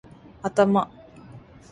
頭